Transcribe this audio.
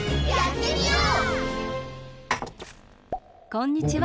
こんにちは。